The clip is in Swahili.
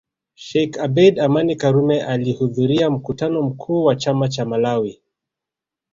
Sheikh Abeid Amani Karume alihudhuria mkutano mkuu wa chama cha Malawi